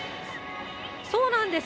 そうなんです。